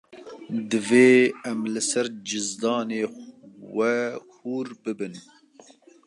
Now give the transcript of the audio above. Divê em li ser cizdanê we hûr bibin.